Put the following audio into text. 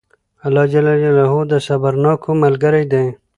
الله جل جلاله د صبرناکو ملګری دئ!